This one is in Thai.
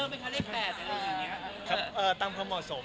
ไม่ตามความเหมาะสม